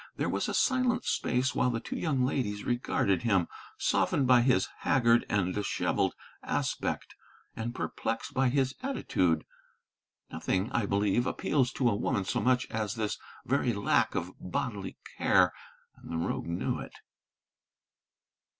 There was a silent space while the two young ladies regarded him, softened by his haggard and dishevelled aspect, and perplexed by his attitude. Nothing, I believe, appeals to a woman so much as this very lack of bodily care. And the rogue knew it!